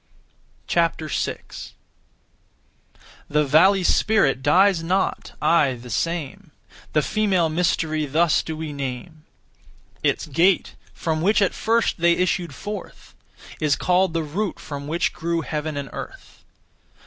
6. The valley spirit dies not, aye the same; The female mystery thus do we name. Its gate, from which at first they issued forth, Is called the root from which grew heaven and earth.